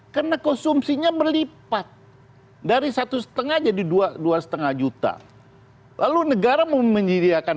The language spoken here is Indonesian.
karena konsumsinya melipat dari satu setengah jadi dua puluh dua setengah juta lalu negara memenjirihkan